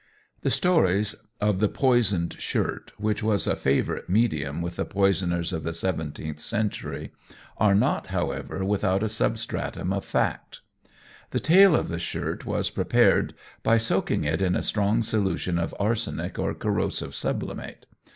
The stories of the "poisoned shirt," which was a favourite medium with the poisoners of the seventeenth century, are not, however, without a substratum of fact. The tail of the shirt was prepared by soaking it in a strong solution of arsenic or corrosive sublimate.